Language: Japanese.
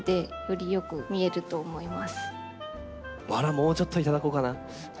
もうちょっと頂こうかな。